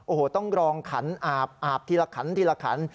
โอ้โหต้องรองขันอาบอาบทีละขันทีละขัน